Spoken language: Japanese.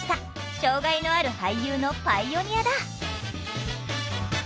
障害のある俳優のパイオニアだ